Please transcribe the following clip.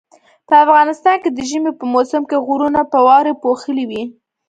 په افغانستان کې د ژمي په موسم کې غرونه په واوري پوښلي وي